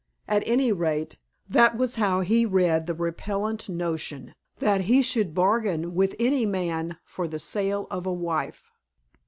At any rate, that was how he read the repellent notion that he should bargain with any man for the sale of a wife.